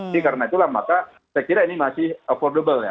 jadi karena itulah maka saya kira ini masih affordable ya